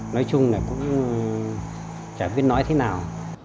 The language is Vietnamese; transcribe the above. nói chung là cũng chả biết nói thế nào